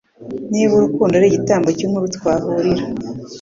Niba urukundo arigitabo cyinkuru twahurira